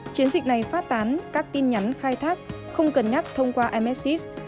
chiến dịch này phát tán các tin nhắn khai thác không cần nhắc thông qua imessage